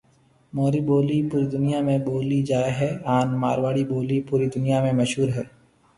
مهوري ٻولَي پوري دنَيا ۾ ٻولَي جائي هيَ هانَ مارواڙي ٻولَي پوري دنَيا ۾ مشهور هيَ۔